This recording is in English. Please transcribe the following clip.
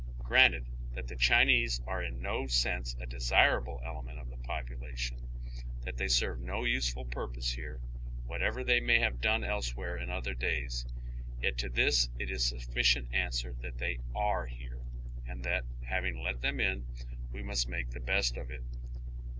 Granted, that the Chinese are in no sense a desirable element of the population, that they serve no useful purpose here, whatever they may have done elsewhere in other days, yet to this it ia a sufficient answer that they are here, and that, having let them in, we must make the best of it.